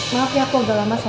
nah aku akan malam